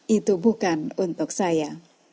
itu bukan untuk saya